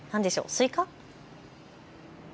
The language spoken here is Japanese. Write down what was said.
スイカ？